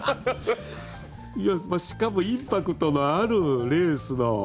しかもインパクトのあるレースのマスク。